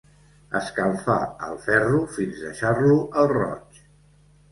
Escalfar el ferro fins deixar-lo al roig.